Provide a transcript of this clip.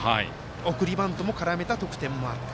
送りバントも絡めた得点もあった。